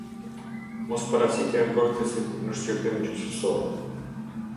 Mosparaqitja e mbrojtësit në shqyrtim gjyqësor.